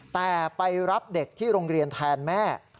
แต่ไปรับเด็กที่โรงเรียนแทนแม่